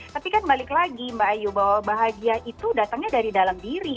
tapi kan balik lagi mbak ayu bahwa bahagia itu datangnya dari dalam diri